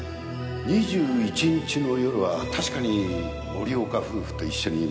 ２１日の夜は確かに森岡夫婦と一緒にいました。